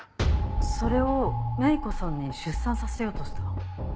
それを芽衣子さんに出産させようとした？